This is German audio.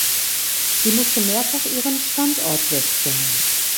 Sie musste mehrfach ihren Standort wechseln.